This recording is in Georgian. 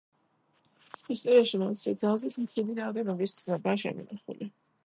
ისტორიაში მასზე ძალზედ მცირე რაოდენობის ცნობაა შემონახული.